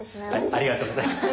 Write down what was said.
ありがとうございます。